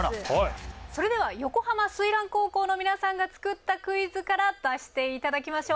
それでは横浜翠嵐高校の皆さんが作ったクイズから出していただきましょう。